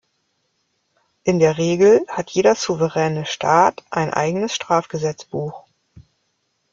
In der Regel hat jeder souveräne Staat ein eigenes Strafgesetzbuch.